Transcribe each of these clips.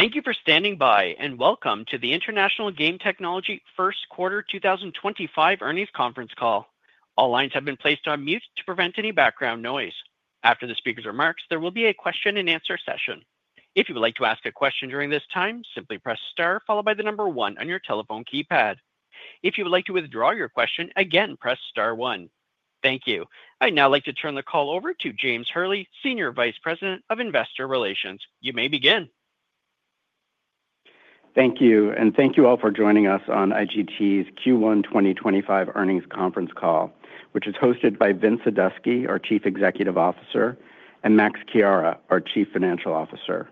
Thank you for standing by, and welcome to the Brightstar Lottery First Quarter 2025 Earnings Conference Call. All lines have been placed on mute to prevent any background noise. After the speaker's remarks, there will be a question-and-answer session. If you would like to ask a question during this time, simply press STAR, followed by the number 1 on your telephone keypad. If you would like to withdraw your question, again, press STAR 1. Thank you. I'd now like to turn the call over to James Hurley, Senior Vice President of Investor Relations. You may begin. Thank you, and thank you all for joining us on Brightstar Lottery's Q1 2025 Earnings Conference Call, which is hosted by Vincent Sadusky, our Chief Executive Officer, and Max Chiara, our Chief Financial Officer.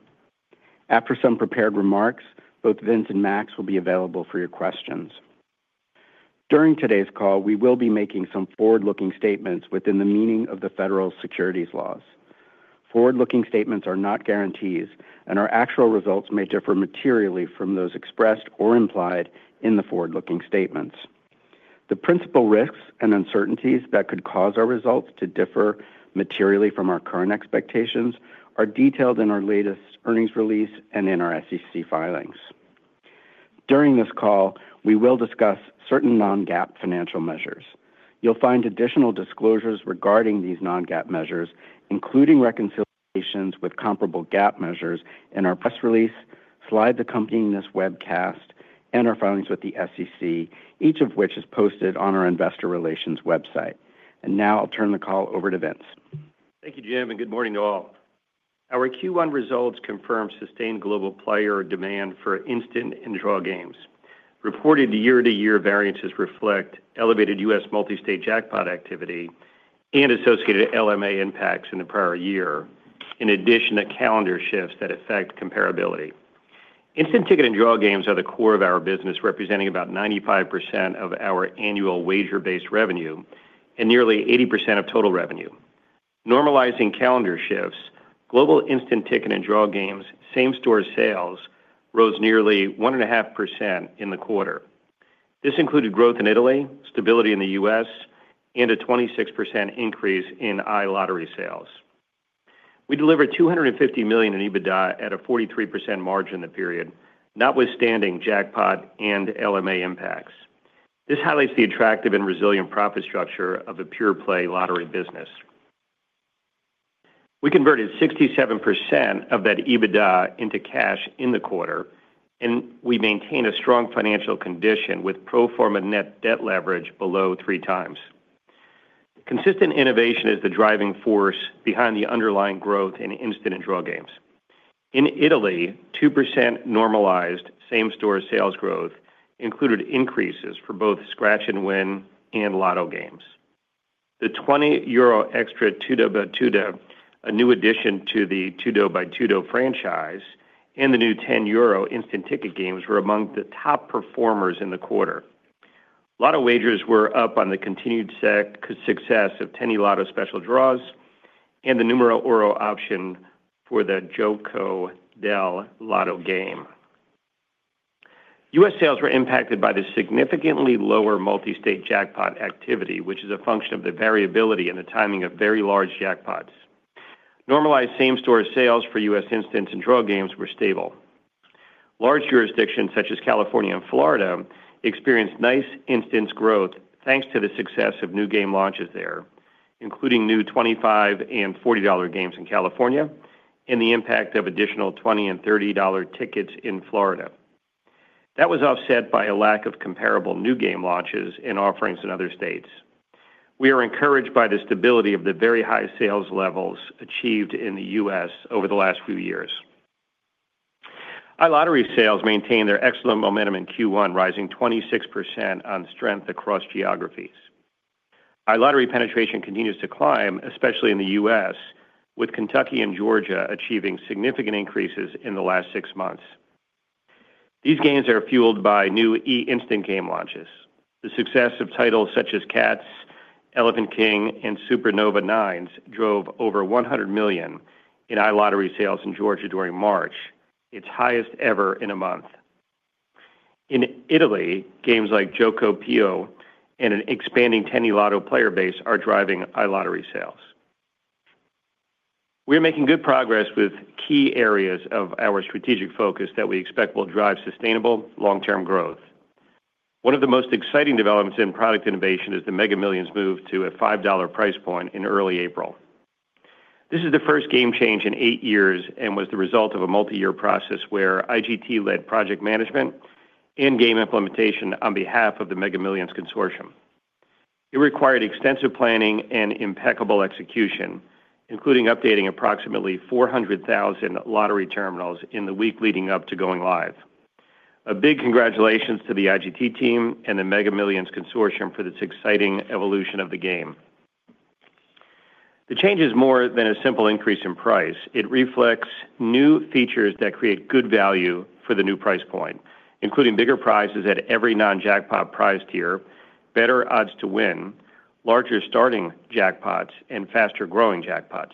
After some prepared remarks, both Vincent and Max will be available for your questions. During today's call, we will be making some forward-looking statements within the meaning of the federal securities laws. Forward-looking statements are not guarantees, and our actual results may differ materially from those expressed or implied in the forward-looking statements. The principal risks and uncertainties that could cause our results to differ materially from our current expectations are detailed in our latest earnings release and in our SEC filings. During this call, we will discuss certain non-GAAP financial measures. You'll find additional disclosures regarding these non-GAAP measures, including reconciliations with comparable GAAP measures in our press release, slides accompanying this webcast, and our filings with the SEC, each of which is posted on our Investor Relations website. I will now turn the call over to Vince. Thank you, Jim, and good morning to all. Our Q1 results confirm sustained global player demand for instant and draw games. Reported year-to-year variances reflect elevated U.S. multi-state jackpot activity and associated LMA impacts in the prior year, in addition to calendar shifts that affect comparability. Instant ticket and draw games are the core of our business, representing about 95% of our annual wager-based revenue and nearly 80% of total revenue. Normalizing calendar shifts, global instant ticket and draw games, same-store sales rose nearly 1.5% in the quarter. This included growth in Italy, stability in the U.S., and a 26% increase in iLottery sales. We delivered $250 million in EBITDA at a 43% margin in the period, notwithstanding jackpot and LMA impacts. This highlights the attractive and resilient profit structure of the pure-play lottery business. We converted 67% of that EBITDA into cash in the quarter, and we maintain a strong financial condition with pro forma net debt leverage below three times. Consistent innovation is the driving force behind the underlying growth in instant and draw games. In Italy, 2% normalized same-store sales growth included increases for both scratch-and-win and lotto games. The 20 euro extra 2do by 2do, a new addition to the 2do by 2do franchise, and the new 10 euro instant ticket games were among the top performers in the quarter. Lotto wagers were up on the continued success of Tennilotto special draws and the numero option for the Joko Del Lotto game. U.S. sales were impacted by the significantly lower multi-state jackpot activity, which is a function of the variability and the timing of very large jackpots. Normalized same-store sales for U.S. instant and draw games were stable. Large jurisdictions such as California and Florida experienced nice instant growth thanks to the success of new game launches there, including new $25 and $40 games in California and the impact of additional $20 and $30 tickets in Florida. That was offset by a lack of comparable new game launches and offerings in other states. We are encouraged by the stability of the very high sales levels achieved in the U.S. over the last few years. iLottery sales maintained their excellent momentum in Q1, rising 26% on strength across geographies. iLottery penetration continues to climb, especially in the U.S., with Kentucky and Georgia achieving significant increases in the last six months. These gains are fueled by new e-instant game launches. The success of titles such as Cats, Elephant King, and Super Nova Nines drove over $100 million in iLottery sales in Georgia during March, its highest ever in a month. In Italy, games like Joko Pio and an expanding Tennilotto player base are driving iLottery sales. We are making good progress with key areas of our strategic focus that we expect will drive sustainable, long-term growth. One of the most exciting developments in product innovation is the Mega Millions move to a $5 price point in early April. This is the first game change in eight years and was the result of a multi-year process where Brightstar Lottery led project management and game implementation on behalf of the Mega Millions Consortium. It required extensive planning and impeccable execution, including updating approximately 400,000 lottery terminals in the week leading up to going live. A big congratulations to the Brightstar Lottery team and the Mega Millions Consortium for this exciting evolution of the game. The change is more than a simple increase in price. It reflects new features that create good value for the new price point, including bigger prizes at every non-jackpot prize tier, better odds to win, larger starting jackpots, and faster growing jackpots.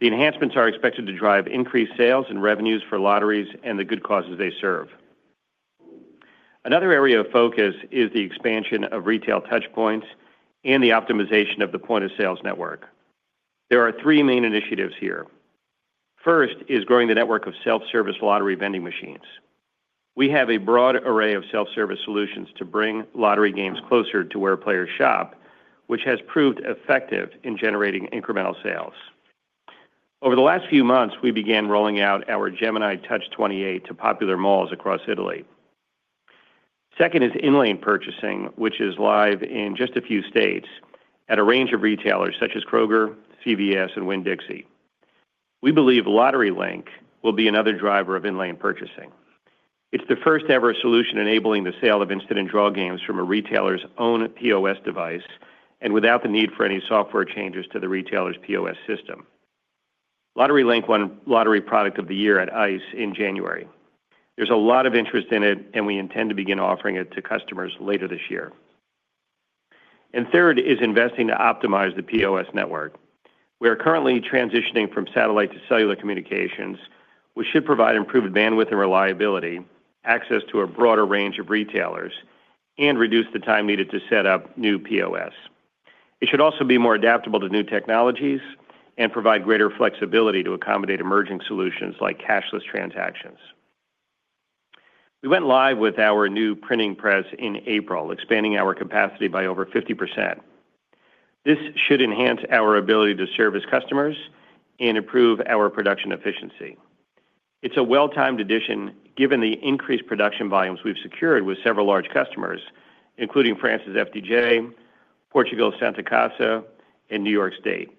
The enhancements are expected to drive increased sales and revenues for lotteries and the good causes they serve. Another area of focus is the expansion of retail touchpoints and the optimization of the point-of-sale network. There are three main initiatives here. First is growing the network of self-service lottery vending machines. We have a broad array of self-service solutions to bring lottery games closer to where players shop, which has proved effective in generating incremental sales. Over the last few months, we began rolling out our Gemini Touch 28 to popular malls across Italy. Second is in-line purchasing, which is live in just a few states at a range of retailers such as Kroger, CVS, and Winn-Dixie. We believe Lottery Link will be another driver of in-line purchasing. It is the first-ever solution enabling the sale of instant and draw games from a retailer's own POS device and without the need for any software changes to the retailer's POS system. Lottery Link won Lottery Product of the Year at ICE in January. There is a lot of interest in it, and we intend to begin offering it to customers later this year. Third is investing to optimize the POS network. We are currently transitioning from satellite to cellular communications, which should provide improved bandwidth and reliability, access to a broader range of retailers, and reduce the time needed to set up new POS. It should also be more adaptable to new technologies and provide greater flexibility to accommodate emerging solutions like cashless transactions. We went live with our new printing press in April, expanding our capacity by over 50%. This should enhance our ability to service customers and improve our production efficiency. It is a well-timed addition given the increased production volumes we have secured with several large customers, including France's FDJ, Portugal's Santa Casa, and New York State.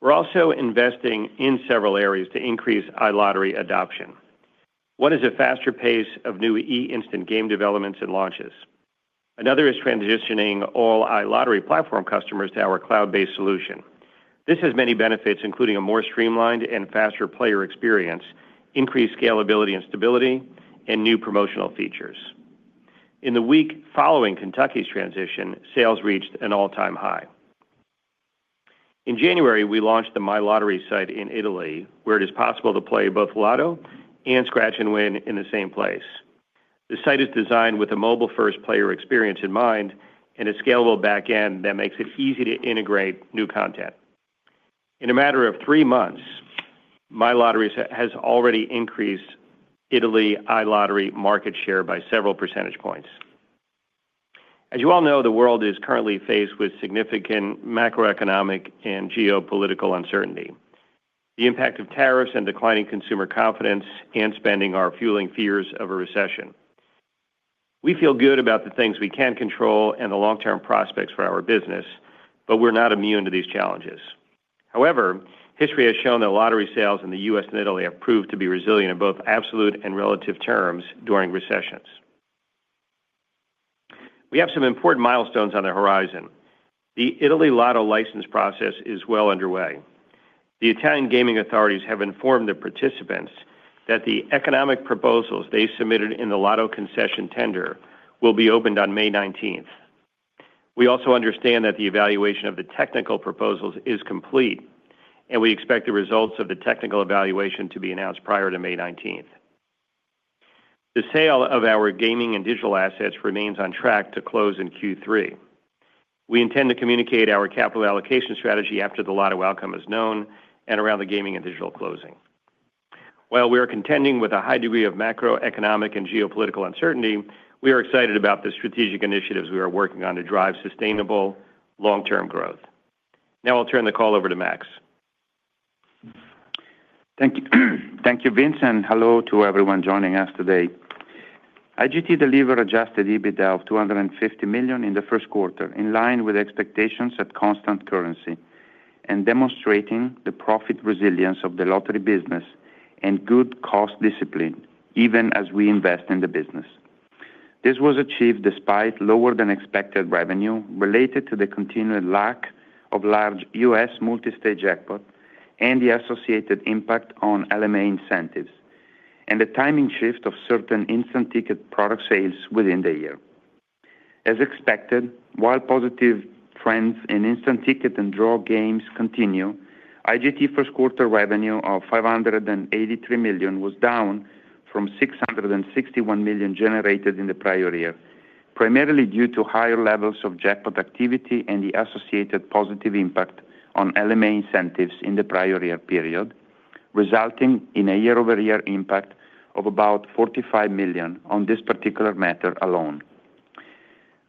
We are also investing in several areas to increase iLottery adoption. One is a faster pace of new e-instant game developments and launches. Another is transitioning all iLottery platform customers to our cloud-based solution. This has many benefits, including a more streamlined and faster player experience, increased scalability and stability, and new promotional features. In the week following Kentucky's transition, sales reached an all-time high. In January, we launched the My Lottery site in Italy, where it is possible to play both Lotto and scratch-and-win in the same place. The site is designed with a mobile-first player experience in mind and a scalable backend that makes it easy to integrate new content. In a matter of three months, My Lottery has already increased Italy's iLottery market share by several percentage points. As you all know, the world is currently faced with significant macroeconomic and geopolitical uncertainty. The impact of tariffs and declining consumer confidence and spending are fueling fears of a recession. We feel good about the things we can control and the long-term prospects for our business, but we're not immune to these challenges. However, history has shown that lottery sales in the U.S. and Italy have proved to be resilient in both absolute and relative terms during recessions. We have some important milestones on the horizon. The Italy Lotto license process is well underway. The Italian gaming authorities have informed the participants that the economic proposals they submitted in the Lotto concession tender will be opened on May 19th. We also understand that the evaluation of the technical proposals is complete, and we expect the results of the technical evaluation to be announced prior to May 19th. The sale of our gaming and digital assets remains on track to close in Q3. We intend to communicate our capital allocation strategy after the Lotto outcome is known and around the gaming and digital closing. While we are contending with a high degree of macroeconomic and geopolitical uncertainty, we are excited about the strategic initiatives we are working on to drive sustainable, long-term growth. Now I'll turn the call over to Max. Thank you, Vince, and hello to everyone joining us today. Brightstar Lottery delivered adjusted EBITDA of $250 million in the first quarter, in line with expectations at constant currency and demonstrating the profit resilience of the lottery business and good cost discipline, even as we invest in the business. This was achieved despite lower-than-expected revenue related to the continued lack of large U.S. multi-state jackpot and the associated impact on LMA incentives and the timing shift of certain instant ticket product sales within the year. As expected, while positive trends in instant ticket and draw games continue, Brightstar Lottery's first-quarter revenue of $583 million was down from $661 million generated in the prior year, primarily due to higher levels of jackpot activity and the associated positive impact on LMA incentives in the prior year period, resulting in a year-over-year impact of about $45 million on this particular matter alone.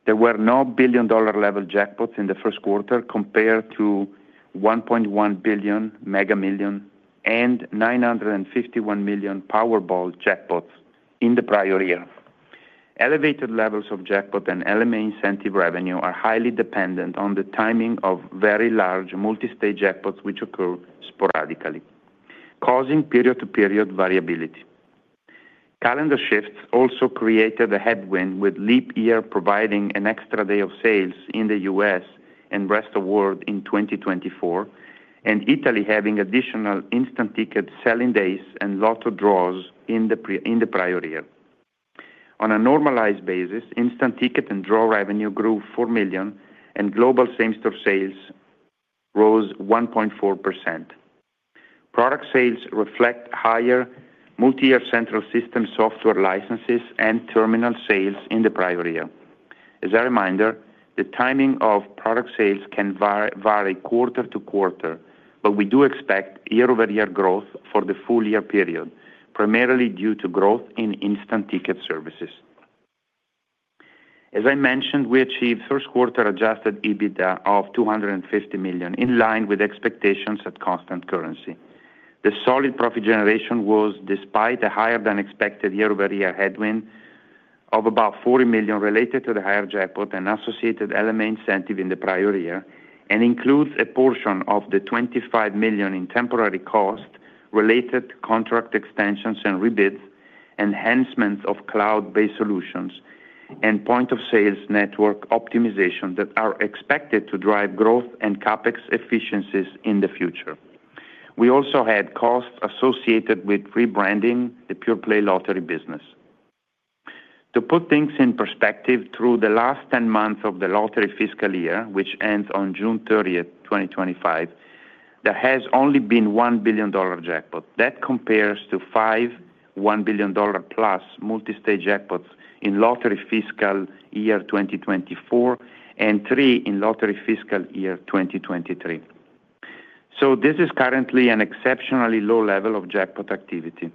There were no billion-dollar level jackpots in the first quarter compared to $1.1 billion Mega Millions and $951 million Powerball jackpots in the prior year. Elevated levels of jackpot and LMA incentive revenue are highly dependent on the timing of very large multi-state jackpots, which occur sporadically, causing period-to-period variability. Calendar shifts also created a headwind, with Leap Year providing an extra day of sales in the U.S. and rest of the world in 2024, and Italy having additional instant ticket selling days and lotto draws in the prior year. On a normalized basis, instant ticket and draw revenue grew $4 million, and global same-store sales rose 1.4%. Product sales reflect higher multi-year central system software licenses and terminal sales in the prior year. As a reminder, the timing of product sales can vary quarter to quarter, but we do expect year-over-year growth for the full year period, primarily due to growth in instant ticket services. As I mentioned, we achieved first-quarter adjusted EBITDA of $250 million, in line with expectations at constant currency. The solid profit generation was, despite a higher-than-expected year-over-year headwind of about $40 million related to the higher jackpot and associated LMA incentive in the prior year, and includes a portion of the $25 million in temporary cost related contract extensions and rebids, enhancements of cloud-based solutions, and point-of-sale network optimization that are expected to drive growth and CapEx efficiencies in the future. We also had costs associated with rebranding the Pure Play Lottery business. To put things in perspective, through the last 10 months of the lottery fiscal year, which ends on June 30, 2025, there has only been $1 billion jackpot. That compares to five $1 billion-plus multi-state jackpots in lottery fiscal year 2024 and three in lottery fiscal year 2023. This is currently an exceptionally low level of jackpot activity.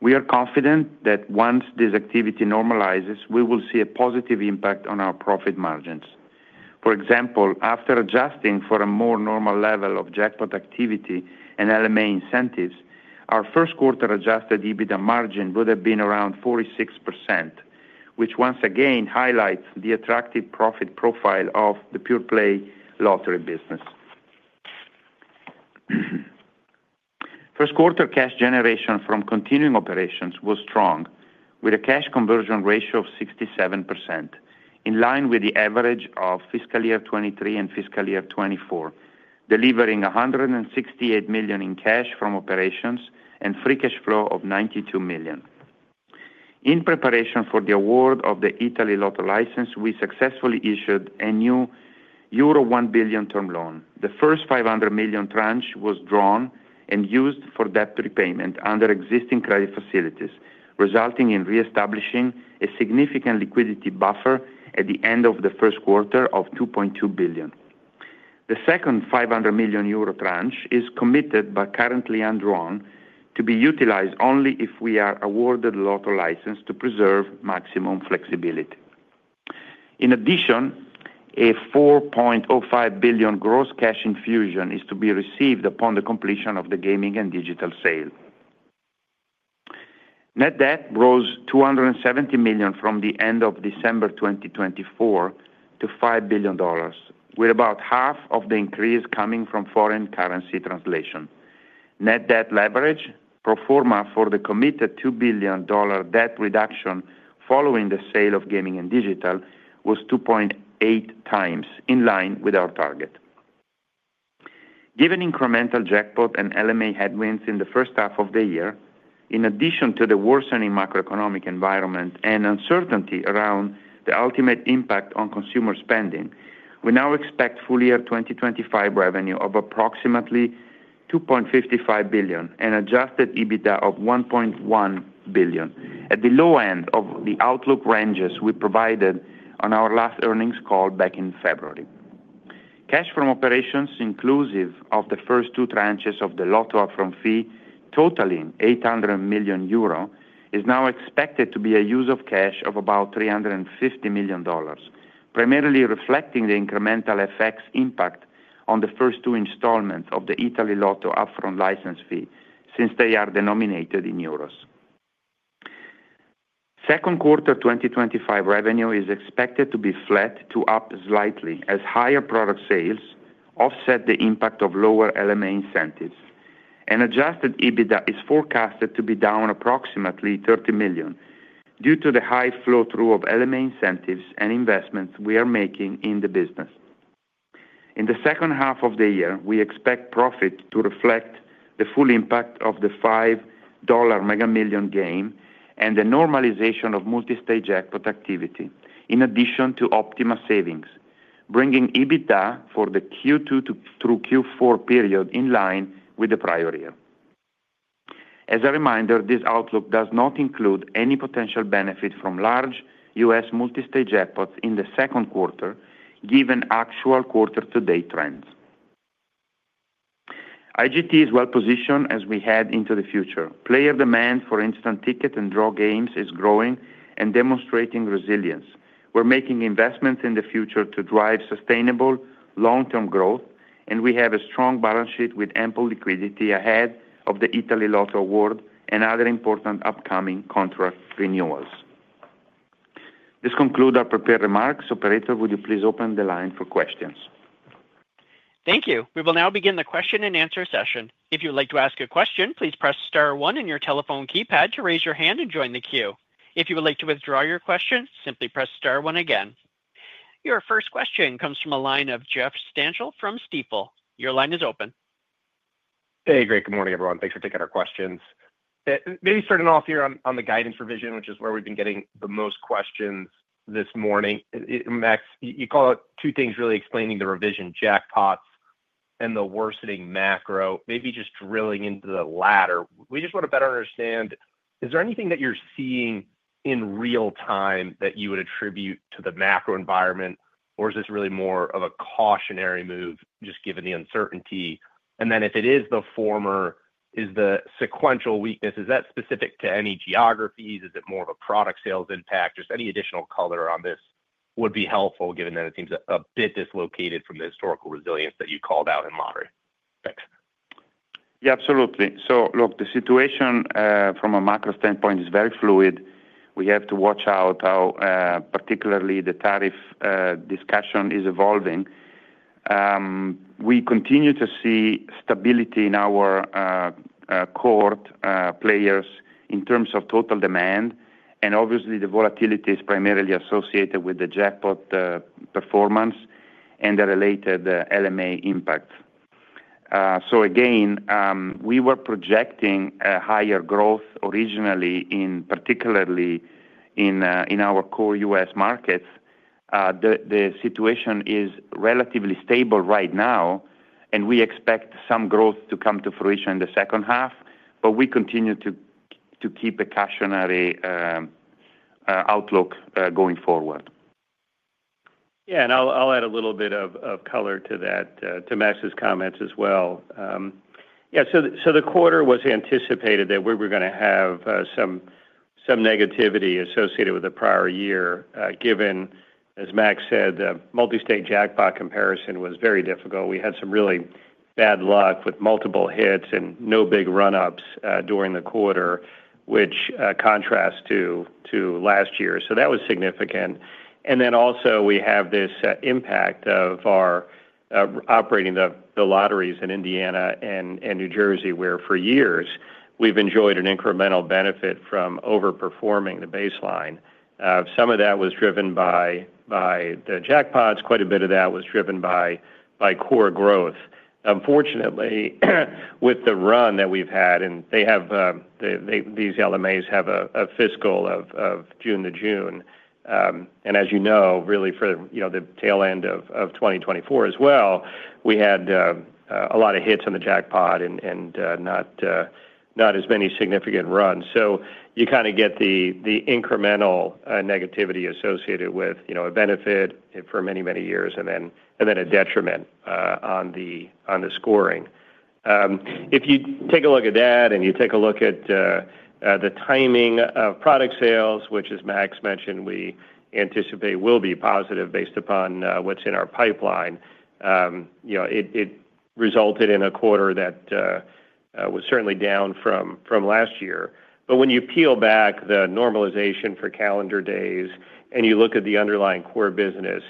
We are confident that once this activity normalizes, we will see a positive impact on our profit margins. For example, after adjusting for a more normal level of jackpot activity and LMA incentives, our first-quarter adjusted EBITDA margin would have been around 46%, which once again highlights the attractive profit profile of the Pure Play Lottery business. First-quarter cash generation from continuing operations was strong, with a cash conversion ratio of 67%, in line with the average of fiscal year 2023 and fiscal year 2024, delivering $168 million in cash from operations and free cash flow of $92 million. In preparation for the award of the Italy Lotto license, we successfully issued a new euro 1 billion term loan. The first 500 million tranche was drawn and used for debt repayment under existing credit facilities, resulting in reestablishing a significant liquidity buffer at the end of the first quarter of $2.2 billion. The second 500 million euro tranche is committed but currently undrawn to be utilized only if we are awarded a Lotto license to preserve maximum flexibility. In addition, a $4.05 billion gross cash infusion is to be received upon the completion of the gaming and digital sale. Net debt rose $270 million from the end of December 2024 to $5 billion, with about half of the increase coming from foreign currency translation. Net debt leverage pro forma for the committed $2 billion debt reduction following the sale of gaming and digital was 2.8 times, in line with our target. Given incremental jackpot and LMA headwinds in the first half of the year, in addition to the worsening macroeconomic environment and uncertainty around the ultimate impact on consumer spending, we now expect full year 2025 revenue of approximately $2.55 billion and adjusted EBITDA of $1.1 billion, at the low end of the outlook ranges we provided on our last earnings call back in February. Cash from operations, inclusive of the first two tranches of the Lotto upfront fee, totaling 800 million euro, is now expected to be a use of cash of about $350 million, primarily reflecting the incremental FX impact on the first two installments of the Italy Lotto upfront license fee, since they are denominated in euros. Second quarter 2025 revenue is expected to be flat to up slightly, as higher product sales offset the impact of lower LMA incentives, and adjusted EBITDA is forecasted to be down approximately $30 million due to the high flow-through of LMA incentives and investments we are making in the business. In the second half of the year, we expect profit to reflect the full impact of the $5 Mega Millions game and the normalization of multi-state jackpot activity, in addition to optima savings, bringing EBITDA for the Q2 through Q4 period in line with the prior year. As a reminder, this outlook does not include any potential benefit from large U.S. multi-state jackpots in the second quarter, given actual quarter-to-date trends. Brightstar Lottery is well-positioned as we head into the future. Player demand for instant ticket and draw games is growing and demonstrating resilience. We're making investments in the future to drive sustainable, long-term growth, and we have a strong balance sheet with ample liquidity ahead of the Italy Lotto award and other important upcoming contract renewals. This concludes our prepared remarks. Operator, would you please open the line for questions? Thank you. We will now begin the question-and-answer session. If you would like to ask a question, please press star one on your telephone keypad to raise your hand and join the queue. If you would like to withdraw your question, simply press star one again. Your first question comes from the line of Jeff Stangel from Stifel. Your line is open. Hey, great. Good morning, everyone. Thanks for taking our questions. Maybe starting off here on the guidance revision, which is where we've been getting the most questions this morning. Max, you call it two things, really explaining the revision: jackpots and the worsening macro, maybe just drilling into the latter. We just want to better understand, is there anything that you're seeing in real time that you would attribute to the macro environment, or is this really more of a cautionary move just given the uncertainty? If it is the former, is the sequential weakness, is that specific to any geographies? Is it more of a product sales impact? Just any additional color on this would be helpful, given that it seems a bit dislocated from the historical resilience that you called out in lottery. Thanks. Yeah, absolutely. Look, the situation from a macro standpoint is very fluid. We have to watch out how particularly the tariff discussion is evolving. We continue to see stability in our core players in terms of total demand, and obviously the volatility is primarily associated with the jackpot performance and the related LMA impact. Again, we were projecting higher growth originally, particularly in our core U.S. markets. The situation is relatively stable right now, and we expect some growth to come to fruition in the second half, but we continue to keep a cautionary outlook going forward. Yeah, and I'll add a little bit of color to that, to Max's comments as well. Yeah, the quarter was anticipated that we were going to have some negativity associated with the prior year, given, as Max said, the multi-state jackpot comparison was very difficult. We had some really bad luck with multiple hits and no big run-ups during the quarter, which contrasts to last year. That was significant. Also, we have this impact of our operating the lotteries in Indiana and New Jersey, where for years we've enjoyed an incremental benefit from overperforming the baseline. Some of that was driven by the jackpots. Quite a bit of that was driven by core growth. Unfortunately, with the run that we've had, and they have these LMAs have a fiscal of June to June, and as you know, really for the tail end of 2024 as well, we had a lot of hits on the jackpot and not as many significant runs. You kind of get the incremental negativity associated with a benefit for many, many years and then a detriment on the scoring. If you take a look at that and you take a look at the timing of product sales, which, as Max mentioned, we anticipate will be positive based upon what's in our pipeline, it resulted in a quarter that was certainly down from last year. When you peel back the normalization for calendar days and you look at the underlying core business,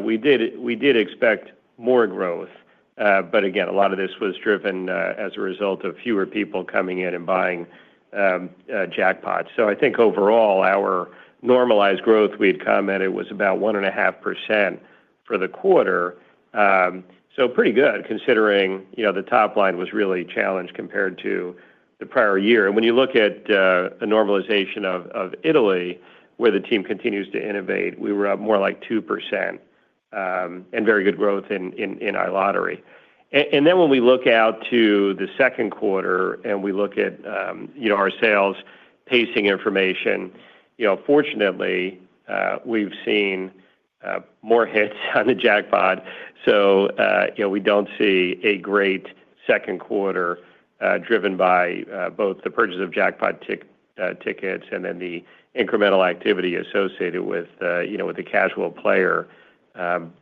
we did expect more growth. Again, a lot of this was driven as a result of fewer people coming in and buying jackpots. I think overall our normalized growth we had commented was about 1.5% for the quarter. Pretty good considering the top line was really challenged compared to the prior year. When you look at a normalization of Italy, where the team continues to innovate, we were up more like 2% and very good growth in our lottery. When we look out to the second quarter and we look at our sales pacing information, fortunately we've seen more hits on the jackpot. We do not see a great second quarter driven by both the purchase of jackpot tickets and the incremental activity associated with the casual player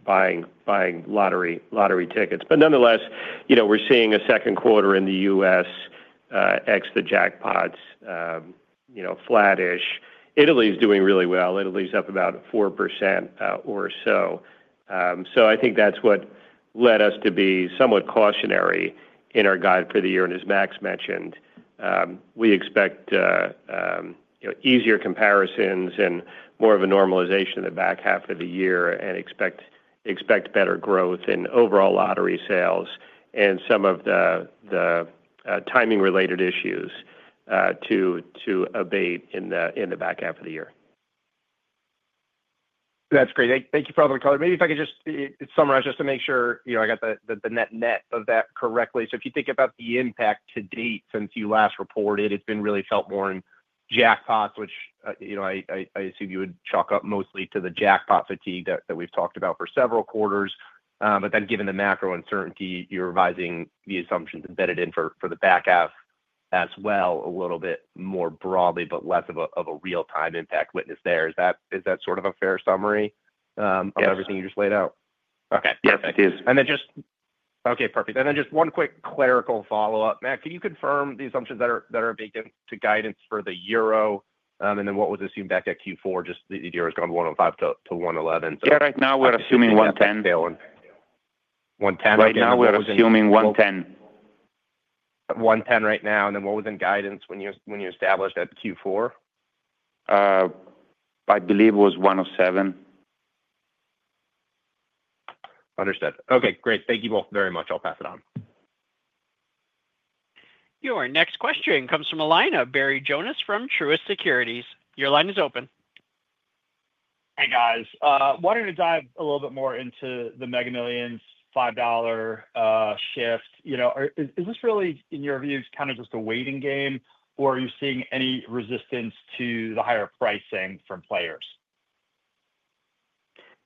buying lottery tickets. Nonetheless, we're seeing a second quarter in the U.S. ex the jackpots flattish. Italy is doing really well. Italy is up about 4% or so. I think that's what led us to be somewhat cautionary in our guide for the year. As Max mentioned, we expect easier comparisons and more of a normalization in the back half of the year and expect better growth in overall lottery sales and some of the timing-related issues to abate in the back half of the year. That's great. Thank you for all the color. Maybe if I could just summarize just to make sure I got the net net of that correctly. If you think about the impact to date since you last reported, it's been really felt more in jackpots, which I assume you would chalk up mostly to the jackpot fatigue that we've talked about for several quarters. Given the macro uncertainty, you're revising the assumptions embedded in for the back half as well a little bit more broadly, but less of a real-time impact witness there. Is that sort of a fair summary of everything you just laid out? Okay. Yes, it is. Okay, perfect. And then just one quick clerical follow-up. Max, can you confirm the assumptions that are baked into guidance for the euro and then what was assumed back at Q4? Just the euro has gone to 1.05-1.11. Yeah, right now we're assuming 110. 110 right now? Right now we're assuming 110. 110 right now. What was in guidance when you established at Q4? I believe it was 107. Understood. Okay, great. Thank you both very much. I'll pass it on. Your next question comes from the line Barry Jonas from Truist Securities. Your line is open. Hey, guys. Wanted to dive a little bit more into the Mega Millions $5 shift. Is this really, in your view, kind of just a waiting game, or are you seeing any resistance to the higher pricing from players?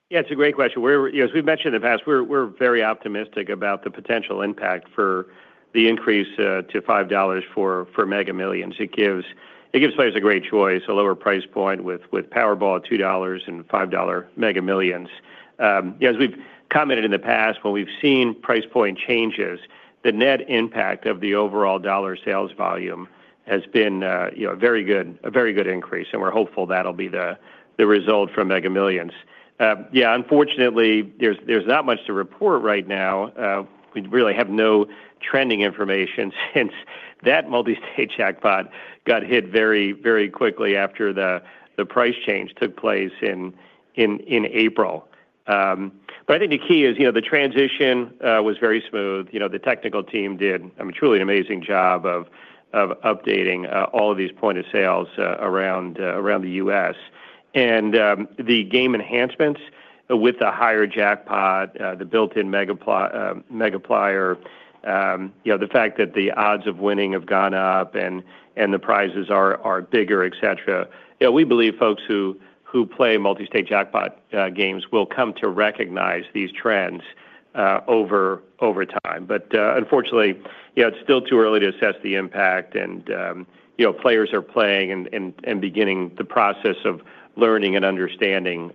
Yeah, it's a great question. As we've mentioned in the past, we're very optimistic about the potential impact for the increase to $5 for Mega Millions. It gives players a great choice, a lower price point with Powerball at $2 and $5 Mega Millions. As we've commented in the past, when we've seen price point changes, the net impact of the overall dollar sales volume has been a very good increase, and we're hopeful that'll be the result from Mega Millions. Yeah, unfortunately, there's not much to report right now. We really have no trending information since that multi-state jackpot got hit very, very quickly after the price change took place in April. I think the key is the transition was very smooth. The technical team did, I mean, truly an amazing job of updating all of these point of sales around the U.S. The game enhancements with the higher jackpot, the built-in Mega Player, the fact that the odds of winning have gone up and the prizes are bigger, et cetera. We believe folks who play multi-state jackpot games will come to recognize these trends over time. Unfortunately, it is still too early to assess the impact, and players are playing and beginning the process of learning and understanding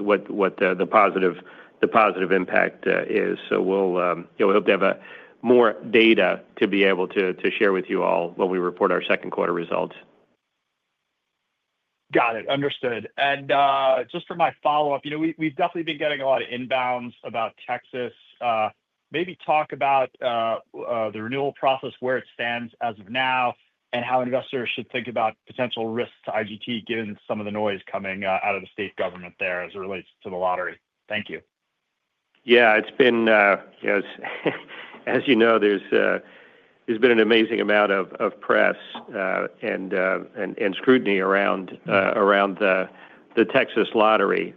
what the positive impact is. We hope to have more data to be able to share with you all when we report our second quarter results. Got it. Understood. Just for my follow-up, we've definitely been getting a lot of inbounds about Texas. Maybe talk about the renewal process, where it stands as of now, and how investors should think about potential risks to Brightstar Lottery, given some of the noise coming out of the state government there as it relates to the lottery. Thank you. Yeah, it's been, as you know, there's been an amazing amount of press and scrutiny around the Texas Lottery.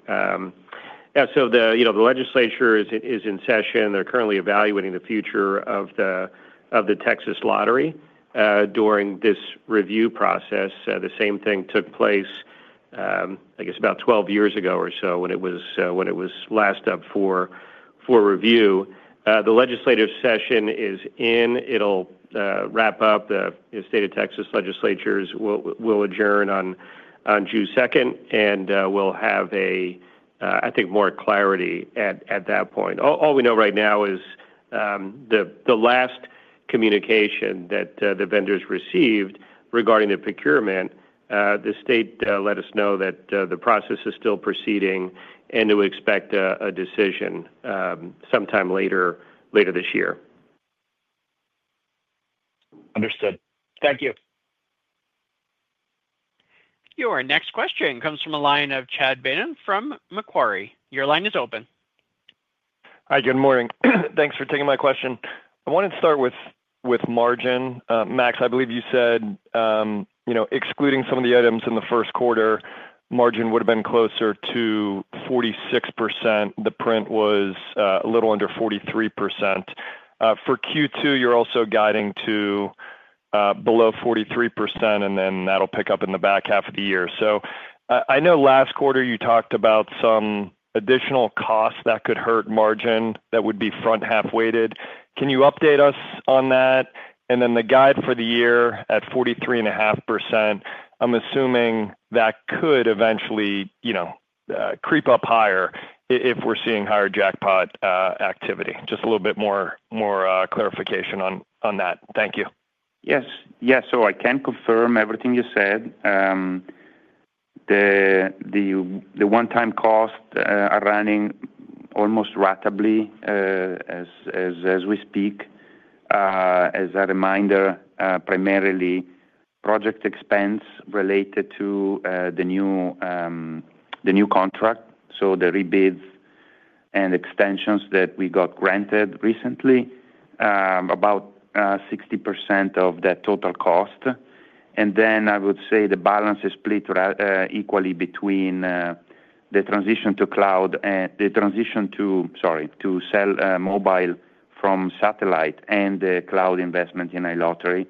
Yeah, so the legislature is in session. They're currently evaluating the future of the Texas Lottery during this review process. The same thing took place, I guess, about 12 years ago or so when it was last up for review. The legislative session is in. It'll wrap up. The state of Texas legislatures will adjourn on June 2, and we'll have, I think, more clarity at that point. All we know right now is the last communication that the vendors received regarding the procurement. The state let us know that the process is still proceeding, and we expect a decision sometime later this year. Understood. Thank you. Your next question comes from a line of Chad Beynon from Macquarie. Your line is open. Hi, good morning. Thanks for taking my question. I wanted to start with margin. Max, I believe you said excluding some of the items in the first quarter, margin would have been closer to 46%. The print was a little under 43%. For Q2, you're also guiding to below 43%, and then that'll pick up in the back half of the year. I know last quarter you talked about some additional costs that could hurt margin that would be front half weighted. Can you update us on that? The guide for the year at 43.5%, I'm assuming that could eventually creep up higher if we're seeing higher jackpot activity. Just a little bit more clarification on that. Thank you. Yes. Yeah, so I can confirm everything you said. The one-time costs are running almost rapidly as we speak. As a reminder, primarily project expense related to the new contract, so the rebids and extensions that we got granted recently, about 60% of that total cost. I would say the balance is split equally between the transition to cloud and the transition to, sorry, to sell mobile from satellite and the cloud investment in a lottery.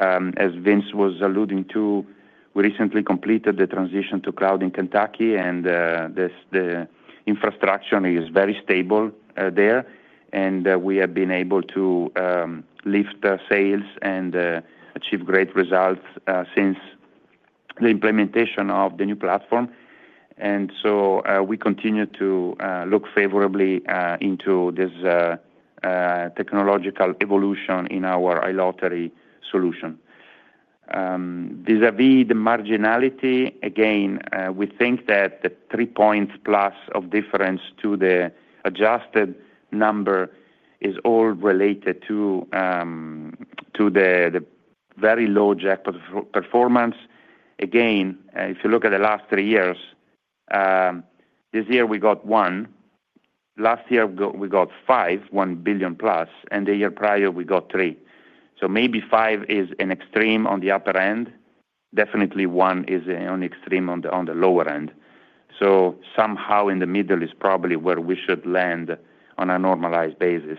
As Vince was alluding to, we recently completed the transition to cloud in Kentucky, and the infrastructure is very stable there. We have been able to lift sales and achieve great results since the implementation of the new platform. We continue to look favorably into this technological evolution in our lottery solution. Vis-à-vis the marginality, again, we think that the three percentage points plus of difference to the adjusted number is all related to the very low jackpot performance. Again, if you look at the last three years, this year we got one. Last year we got five, one billion plus, and the year prior we got three. Maybe five is an extreme on the upper end. Definitely one is an extreme on the lower end. Somehow in the middle is probably where we should land on a normalized basis.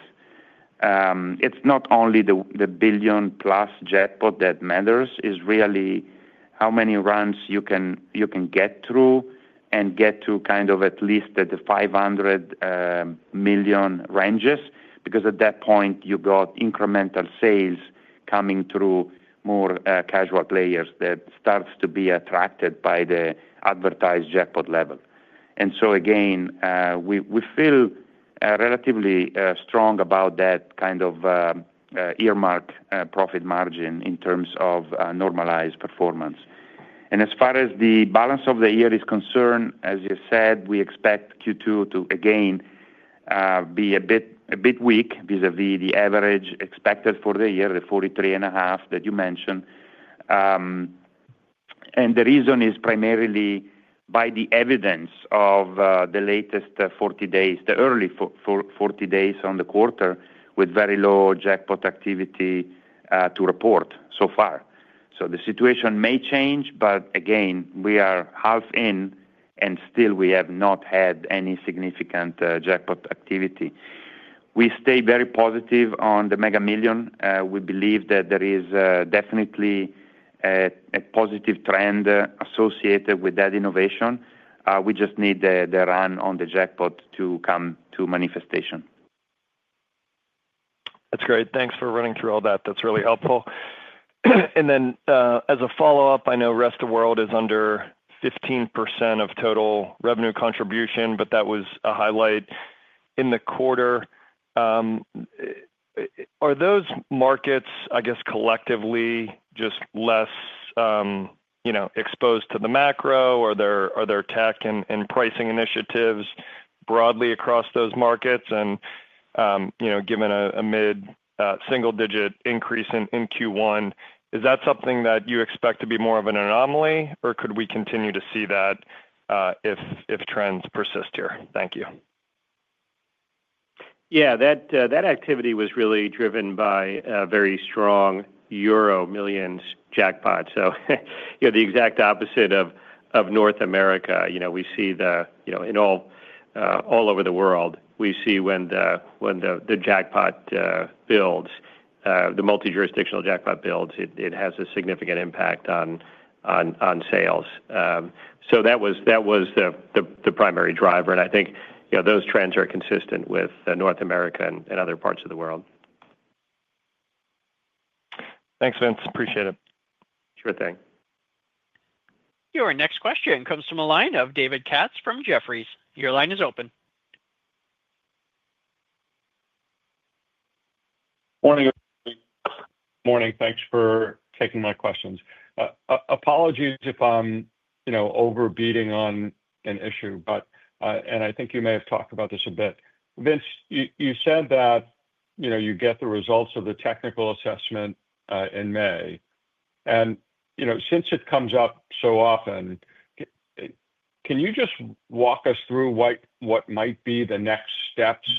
It is not only the billion plus jackpot that matters. It is really how many runs you can get through and get to kind of at least the $500 million ranges, because at that point you got incremental sales coming through more casual players that start to be attracted by the advertised jackpot level. We feel relatively strong about that kind of earmark profit margin in terms of normalized performance. As far as the balance of the year is concerned, as you said, we expect Q2 to, again, be a bit weak vis-à-vis the average expected for the year, the 43.5 that you mentioned. The reason is primarily by the evidence of the latest 40 days, the early 40 days on the quarter with very low jackpot activity to report so far. The situation may change, but again, we are half in and still we have not had any significant jackpot activity. We stay very positive on the Mega Millions. We believe that there is definitely a positive trend associated with that innovation. We just need the run on the jackpot to come to manifestation. That's great. Thanks for running through all that. That's really helpful. As a follow-up, I know the rest of the world is under 15% of total revenue contribution, but that was a highlight in the quarter. Are those markets, I guess, collectively just less exposed to the macro? Are there tech and pricing initiatives broadly across those markets? Given a mid-single-digit increase in Q1, is that something that you expect to be more of an anomaly, or could we continue to see that if trends persist here? Thank you. Yeah, that activity was really driven by very strong Euro Millions jackpots. The exact opposite of North America. We see, all over the world, we see when the jackpot builds, the multi-jurisdictional jackpot builds, it has a significant impact on sales. That was the primary driver. I think those trends are consistent with North America and other parts of the world. Thanks, Vince. Appreciate it. Sure thing. Your next question comes from David Katz from Jefferies. Your line is open. Morning. Morning. Thanks for taking my questions. Apologies if I'm overbeating on an issue, but, and I think you may have talked about this a bit. Vince, you said that you get the results of the technical assessment in May. Since it comes up so often, can you just walk us through what might be the next steps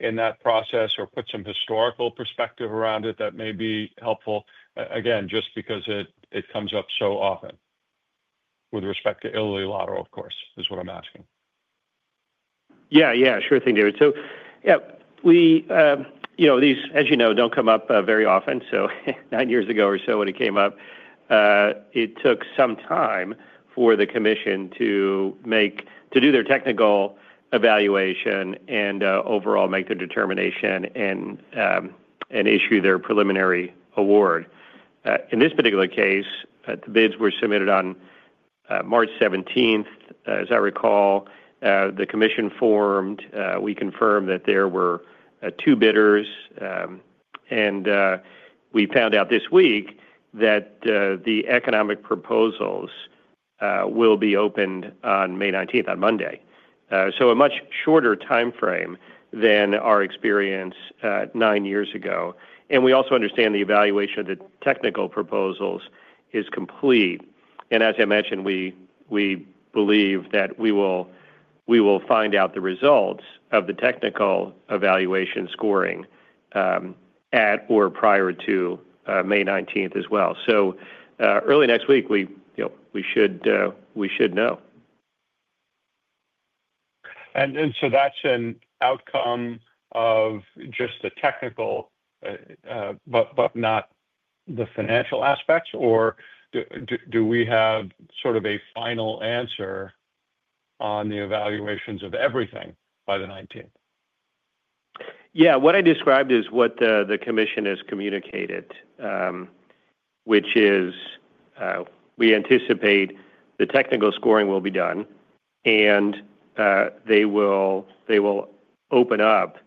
in that process or put some historical perspective around it that may be helpful? Again, just because it comes up so often with respect to Brightstar Lottery, of course, is what I'm asking. Yeah, yeah. Sure thing, David. So yeah, these, as you know, do not come up very often. Nine years ago or so, when it came up, it took some time for the commission to do their technical evaluation and overall make their determination and issue their preliminary award. In this particular case, the bids were submitted on March 17. As I recall, the commission formed. We confirmed that there were two bidders. We found out this week that the economic proposals will be opened on May 19, on Monday. A much shorter timeframe than our experience nine years ago. We also understand the evaluation of the technical proposals is complete. As I mentioned, we believe that we will find out the results of the technical evaluation scoring at or prior to May 19 as well. Early next week, we should know. That's an outcome of just the technical, but not the financial aspects? Or do we have sort of a final answer on the evaluations of everything by the 19th? Yeah, what I described is what the commission has communicated, which is we anticipate the technical scoring will be done, and they will open up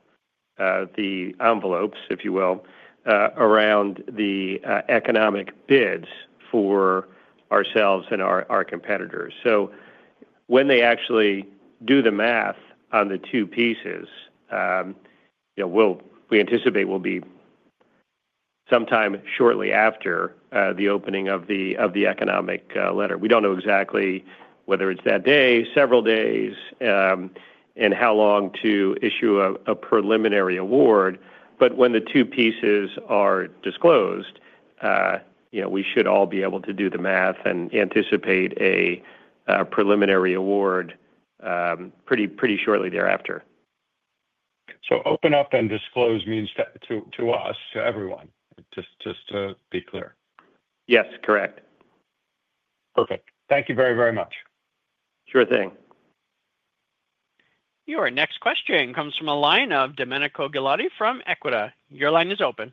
the envelopes, if you will, around the economic bids for ourselves and our competitors. When they actually do the math on the two pieces, we anticipate we'll be sometime shortly after the opening of the economic letter. We don't know exactly whether it's that day, several days, and how long to issue a preliminary award. When the two pieces are disclosed, we should all be able to do the math and anticipate a preliminary award pretty shortly thereafter. Open up and disclose means to us, to everyone, just to be clear. Yes, correct. Perfect. Thank you very, very much. Sure thing. Your next question comes from of Domenico Chiara from Ecuador. Your line is open.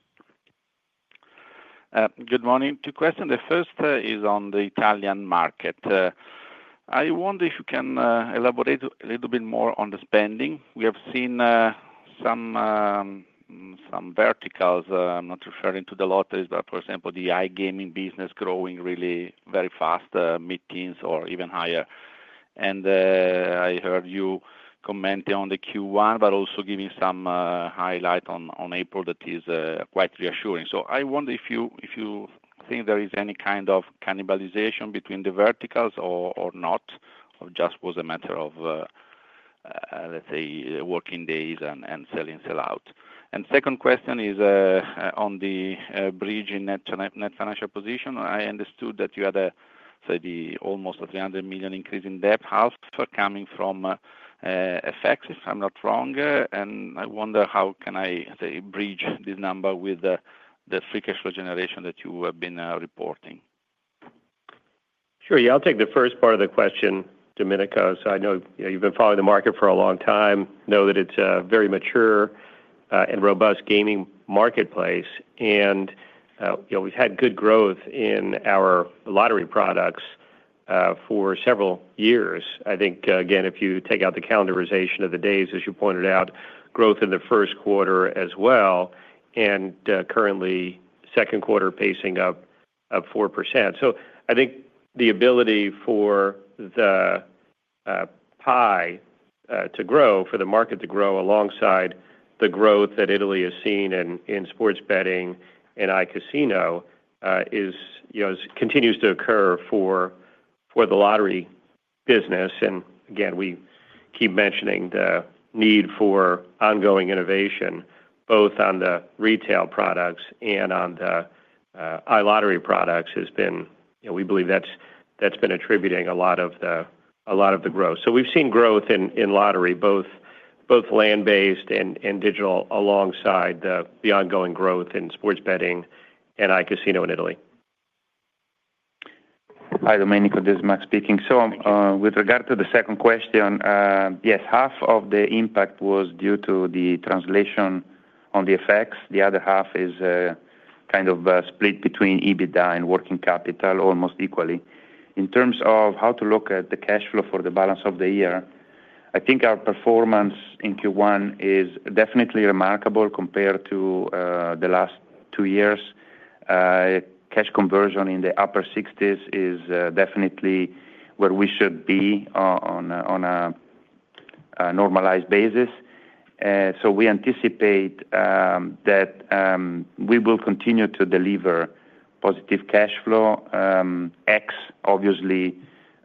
Good morning. Two questions. The first is on the Italian market. I wonder if you can elaborate a little bit more on the spending. We have seen some verticals, not referring to the lotteries, but for example, the iGaming business growing really very fast, mid-teens or even higher. I heard you commenting on the Q1, but also giving some highlight on April that is quite reassuring. I wonder if you think there is any kind of cannibalization between the verticals or not, or just was a matter of, let's say, working days and selling sellout? Second question is on the bridging net financial position. I understood that you had, say, almost a $300 million increase in debt coming from FX, if I'm not wrong. I wonder how can I bridge this number with the free cash flow generation that you have been reporting? Sure. Yeah, I'll take the first part of the question, Domenico. I know you've been following the market for a long time, know that it's a very mature and robust gaming marketplace. We've had good growth in our lottery products for several years. I think, again, if you take out the calendarization of the days, as you pointed out, growth in the first quarter as well, and currently second quarter pacing of 4%. I think the ability for the pie to grow, for the market to grow alongside the growth that Italy has seen in sports betting and iCasino continues to occur for the lottery business. We keep mentioning the need for ongoing innovation, both on the retail products and on the iLottery products. We believe that's been attributing a lot of the growth. We've seen growth in lottery, both land-based and digital, alongside the ongoing growth in sports betting and iCasino in Italy. Hi, Domenico. This is Max speaking. With regard to the second question, yes, half of the impact was due to the translation on the FX. The other half is kind of split between EBITDA and working capital almost equally. In terms of how to look at the cash flow for the balance of the year, I think our performance in Q1 is definitely remarkable compared to the last two years. Cash conversion in the upper 60% is definitely where we should be on a normalized basis. We anticipate that we will continue to deliver positive cash flow, ex, obviously,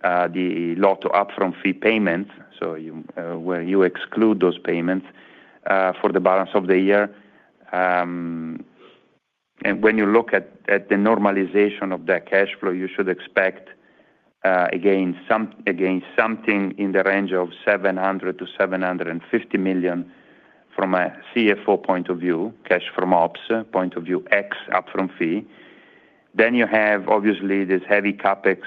the lottery upfront fee payments, where you exclude those payments for the balance of the year. When you look at the normalization of that cash flow, you should expect, again, something in the range of $700 million-$750 million from a CFO point of view, cash from ops point of view, ex upfront fee. You have, obviously, this heavy CapEx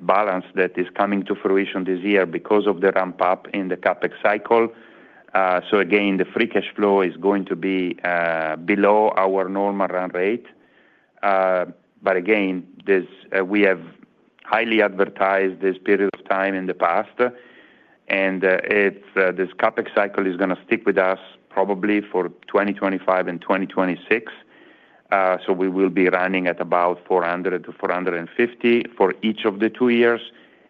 balance that is coming to fruition this year because of the ramp-up in the CapEx cycle. The free cash flow is going to be below our normal run rate. We have highly advertised this period of time in the past. This CapEx cycle is going to stick with us probably for 2025 and 2026. We will be running at about $400 million-$450 million for each of the two years.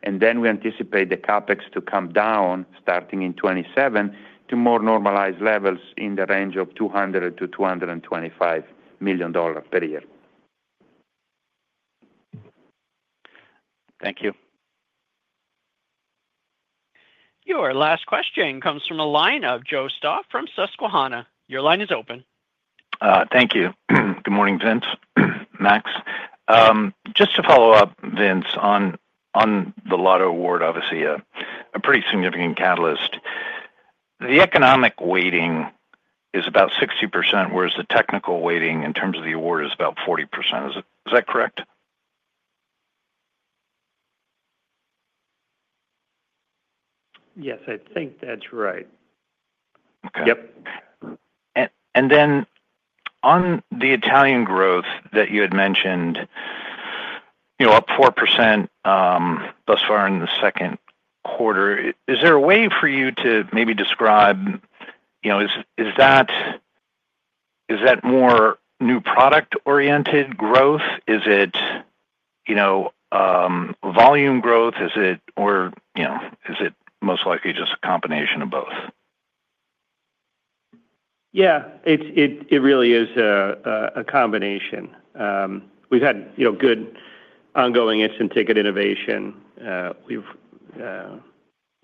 We anticipate the CapEx to come down starting in 2027 to more normalized levels in the range of $200 million-$225 million per year. Thank you. Your last question comes from the line of Joe Stauff from Susquehanna. Your line is open. Thank you. Good morning, Vince. Max. Just to follow up, Vince, on the lottery award, obviously a pretty significant catalyst. The economic weighting is about 60%, whereas the technical weighting in terms of the award is about 40%. Is that correct? Yes, I think that's right. Okay. And then on the Italian growth that you had mentioned, up 4% thus far in the second quarter, is there a way for you to maybe describe is that more new product-oriented growth? Is it volume growth? Or is it most likely just a combination of both? Yeah, it really is a combination. We've had good ongoing instant ticket innovation. We've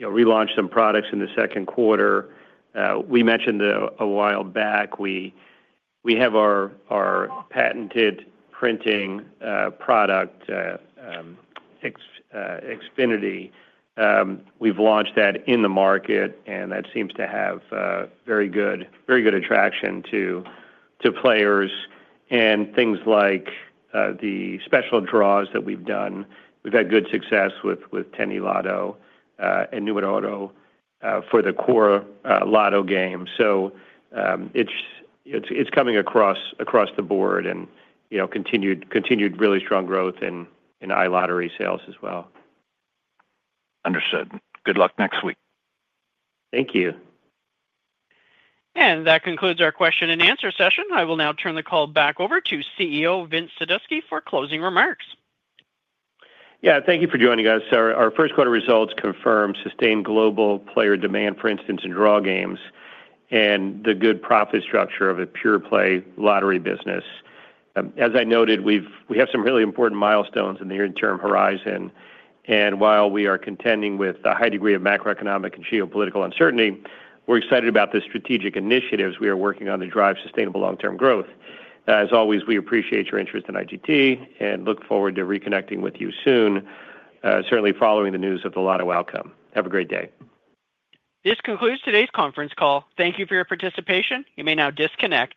relaunched some products in the second quarter. We mentioned a while back, we have our patented printing product, Xfinity. We've launched that in the market, and that seems to have very good attraction to players. Things like the special draws that we've done, we've had good success with Tennilotto and Numitoto for the core lotto game. It is coming across the board and continued really strong growth in iLottery sales as well. Understood. Good luck next week. Thank you. That concludes our question and answer session. I will now turn the call back over to CEO Vince Sadusky for closing remarks. Yeah, thank you for joining us. Our first quarter results confirm sustained global player demand, for instance, in draw games and the good profit structure of a pure-play lottery business. As I noted, we have some really important milestones in the near-term horizon. While we are contending with a high degree of macroeconomic and geopolitical uncertainty, we're excited about the strategic initiatives we are working on to drive sustainable long-term growth. As always, we appreciate your interest in Brightstar Lottery and look forward to reconnecting with you soon, certainly following the news of the lottery outcome. Have a great day. This concludes today's conference call. Thank you for your participation. You may now disconnect.